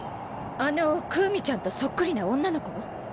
あのクウミちゃんとそっくりな女の子？